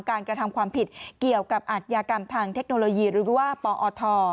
กระทำความผิดเกี่ยวกับอัธยากรรมทางเทคโนโลยีหรือว่าปอท